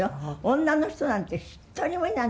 女の人なんて一人もいないの。